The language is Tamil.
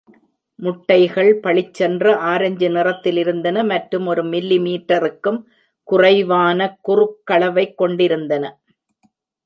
முட்டைகள் பளிச்சென்ற ஆரஞ்சு நிறத்தில் இருந்தன மற்றும் ஒரு மில்லிமீட்டருக்கும் குறைவானக் குறுக்களவைக் கொண்டிருந்தன.